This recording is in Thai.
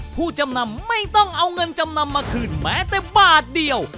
ผู้จำนำไม่ต้องเอาเงินจำนำมาคืนแม้แต่บาทเดียว